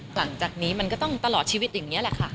หลังจากนี้มันก็ต้องตลอดชีวิตอย่างนี้แหละค่ะ